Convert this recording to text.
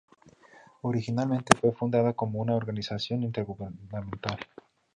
Originalmente fue fundada como una Organización Intergubernamental.